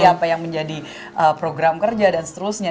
apa yang menjadi program kerja dan seterusnya